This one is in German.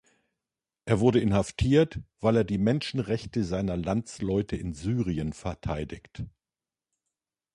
Er wurde inhaftiert, weil er die Menschenrechte seiner Landsleute in Syrien verteidigt.